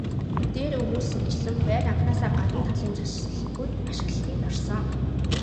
Дээр өгүүлсэнчлэн байр анхнаасаа гадна талын засалгүй ашиглалтад орсон.